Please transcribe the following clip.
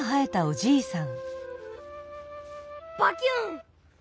バキュン！